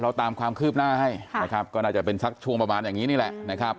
ตามความคืบหน้าให้นะครับก็น่าจะเป็นสักช่วงประมาณอย่างนี้นี่แหละนะครับ